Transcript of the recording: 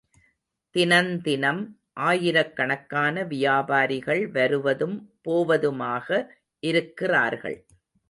தினந்தினம் ஆயிரக்கணக்கான வியாபாரிகள் வருவதும் போவதுமாக இருக்கிறார்கள்.